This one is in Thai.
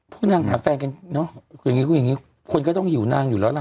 พวกนางหาแฟนกันเนอะอย่างงี้คนก็ต้องหิวนางอยู่แล้วนะ